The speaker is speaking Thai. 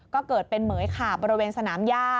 ก็เกิดเป็นเหมือยขาบบริเวณสนามย่า